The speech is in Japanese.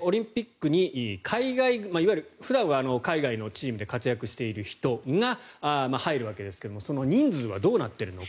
オリンピックにいわゆる普段は海外のチームで活躍している人が入るわけですがその人数はどうなっているのか。